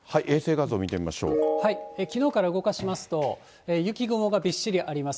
きのうから動かしますと、雪雲がびっしりあります。